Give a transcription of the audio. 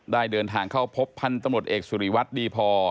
ได้เดินทางเข้าพบทางตำรวจเอกศุลิวัสดีพอ